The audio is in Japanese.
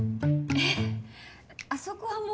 えっあそこはもう。